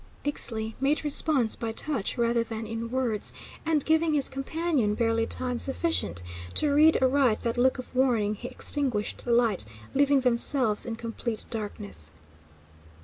Ixtli made response by touch rather than in words, and, giving his companion barely time sufficient to read aright that look of warning, he extinguished the light, leaving themselves in complete darkness.